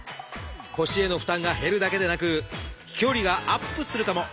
腰への負担が減るだけでなく飛距離がアップするかも！